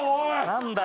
何だ